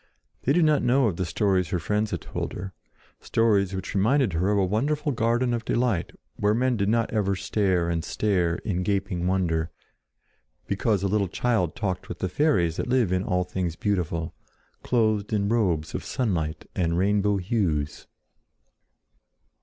They did not know of the stories her friends told her, stories which reminded her of a wonderful garden of delight where men did not ever stare and stare in gaping wonder because a little child talked with the fairies that live in all things beautiful, clothed in robes of sunlight and rainbow hues.